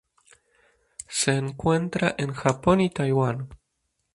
Se encuentra en Japón y Taiwán.